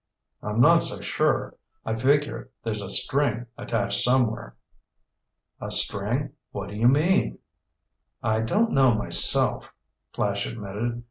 "I'm not so sure. I figure there's a string attached somewhere." "A string? What do you mean?" "I don't know myself," Flash admitted.